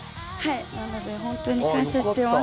なので、感謝しています。